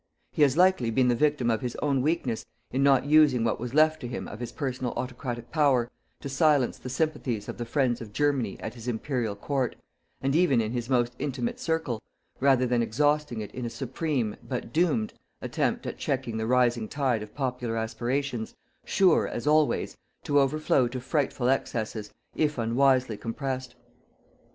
He has likely been the victim of his own weakness in not using what was left to him of his personal autocratic power to silence the sympathies of the friends of Germany at his Imperial Court, and even in his most intimate circle, rather than exhausting it in a supreme, but doomed, attempt at checking the rising tide of popular aspirations sure, as always, to overflow to frightful excesses, if unwisely compressed.